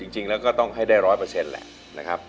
จริงแล้วก็ต้องให้ได้๑๐๐เปอร์เซ็นต์แหละนะครับ